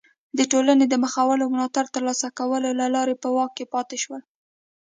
د ټولنې د مخورو ملاتړ ترلاسه کولو له لارې په واک کې پاتې شول.